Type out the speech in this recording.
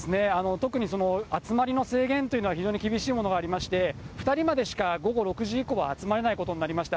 特に集まりの制限というのは、非常に厳しいものがありまして、２人までしか午後６時以降は集まれないことになりました。